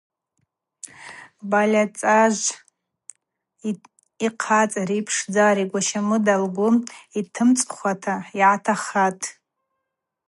Бальацажв йхъацӏари йыпшдзари Гващамыда лгвы йтымцӏхуата йгӏатахатӏ.